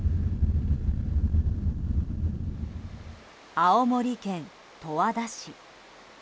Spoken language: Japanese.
青森県十和田市。